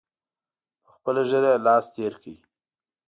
په خپله ږیره یې لاس تېر کړ.